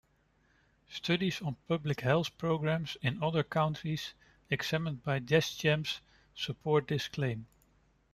Studies on public health programs in other countries examined by Deschamps support this claim.